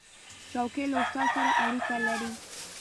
چوکۍ له استاد سره اړیکه لري.